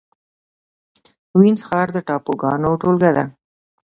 وینز ښار د ټاپوګانو ټولګه ده